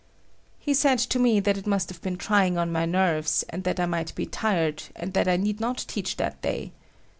He said to me that it must have been trying on my nerves, and that I might be tired, and also that I need not teach that day.